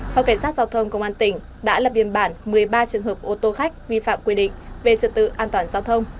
phòng cảnh sát giao thông công an tỉnh đã lập biên bản một mươi ba trường hợp ô tô khách vi phạm quy định về trật tự an toàn giao thông